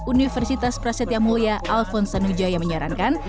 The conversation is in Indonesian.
universitas prasetya mulia alfonsa nujaya menyarankan